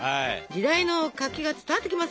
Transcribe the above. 時代の活気が伝わってきますよ。